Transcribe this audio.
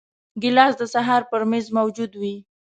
ګیلاس د سهار پر میز موجود وي.